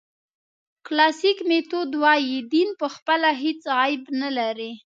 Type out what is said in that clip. کلاسیک میتود وایي دین پخپله هېڅ عیب نه لري.